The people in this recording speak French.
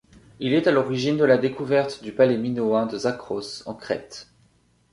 Il est à l'origine de la découverte du palais minoen de Zakros, en Crète.